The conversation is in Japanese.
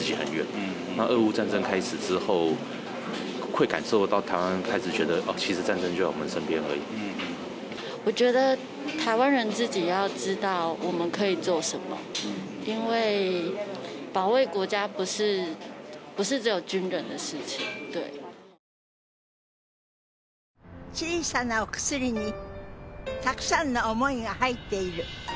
小さなお薬にたくさんの想いが入っている。